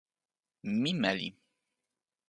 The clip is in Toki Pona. mi meli.